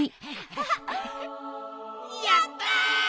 やった！